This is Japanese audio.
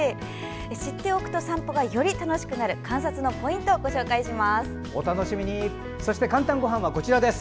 知っておくと散歩がより楽しくなる観察のポイントご紹介します。